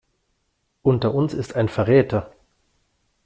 Unter uns ist ein Verräter.